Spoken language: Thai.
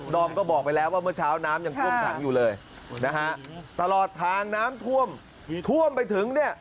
อมก็บอกไปแล้วว่าเมื่อเช้าน้ำยังท่วมขังอยู่เลยนะฮะตลอดทางน้ำท่วมท่วมไปถึงเนี่ย